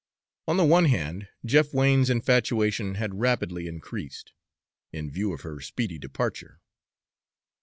On the one hand, Jeff Wain's infatuation had rapidly increased, in view of her speedy departure.